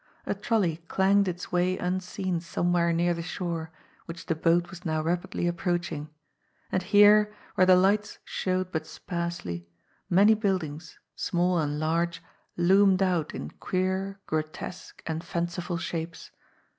A trolley clanged its way unseen some where near the shore which the boat was now rapidly approaching ; and here, where the lights showed but sparsely, many buildings, small and large, loomed out in queer, gro tesque and fanciful shapes.